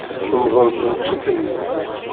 Temdel tneččit-nni.